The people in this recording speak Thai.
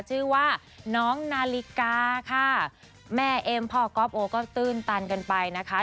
ชื่อว่าน้องนาฬิกาค่ะแม่เอ็มพ่อก๊อฟโอก็ตื้นตันกันไปนะคะ